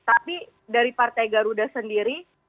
tapi dari partai garuda sendiri